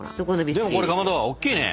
でもこれかまどおっきいね。